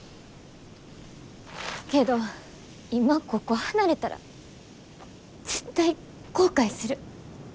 けど今ここ離れたら絶対後悔する。